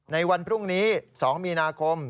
ในวันพรุ่งนี้๒มีนาคม